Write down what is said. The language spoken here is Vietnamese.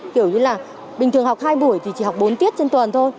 kiểu như là bình thường học hai buổi thì chỉ học bốn tiết trên tuần thôi